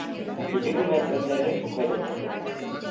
Gece bu merdivenlerden çok aydınlıktı…